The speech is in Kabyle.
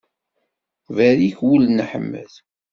Berrik ul n Ḥmed.